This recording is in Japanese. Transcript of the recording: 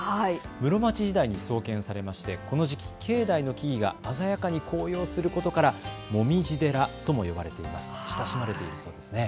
室町時代に創建されましてこの時期、境内の木々が鮮やかに紅葉することからもみじ寺とも呼ばれ親しまれています。